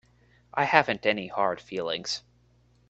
I haven't any hard feelings.